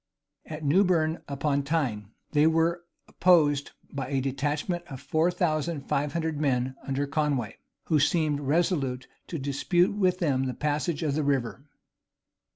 At Newburn upon Tyne, they were opposed by a detachment of four thousand five hundred men under Conway, who seemed resolute to dispute with them the passage of the river.